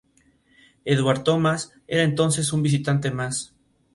Edward Thomas era entonces un visitante más.